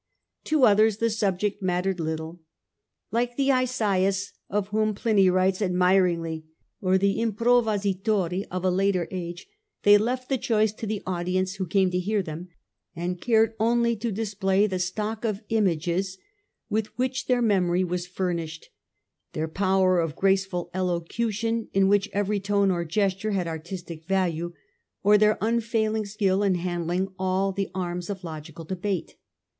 To others the subject mattered little. Like the Isseus of whom Pliny writes admiringly, or the improvisatori of a later age, they left the choice to the audience who came to hear them, and cared only to dis play the stock of images with wh ch their memory was furnished, their power ot graceful elocution in which every tone or gesture had artistic value, or their unfailing skill in handling all the arms of logical debate.